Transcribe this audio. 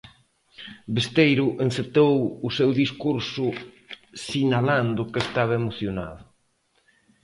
Besteiro encetou o seu discurso sinalando que estaba "emocionado".